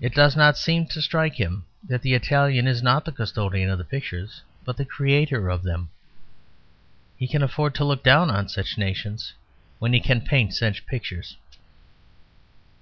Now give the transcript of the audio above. It does not seem to strike him that the Italian is not the custodian of the pictures, but the creator of them. He can afford to look down on such nations when he can paint such pictures.